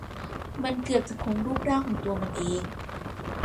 มันเกือบจะคงรูปร่างของตัวมันเอง